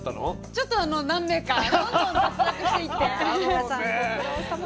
ちょっと何名かどんどん脱落していって。だろうね。